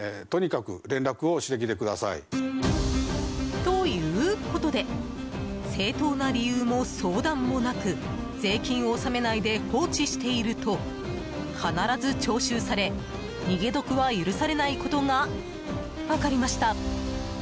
ということで正当な理由も相談もなく税金を納めないで放置していると必ず徴収され逃げ得は許されないことが分かりました。